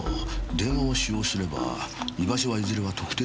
電話を使用すれば居場所はいずれは特定されるわけですからね。